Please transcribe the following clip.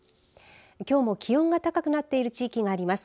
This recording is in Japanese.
きょうも気温が高くなっている地域があります。